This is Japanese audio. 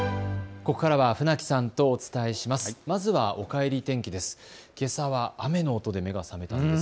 ここからは船木さんとお伝えします。